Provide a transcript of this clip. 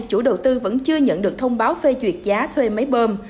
chủ đầu tư vẫn chưa nhận được thông báo phê duyệt giá thuê máy bơm